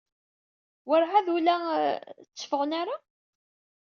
Werɛad ur la... tteffɣen ara.